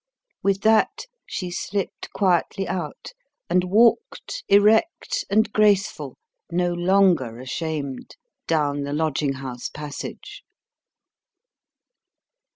With that, she slipped quietly out, and walked, erect and graceful, no longer ashamed, down the lodging house passage.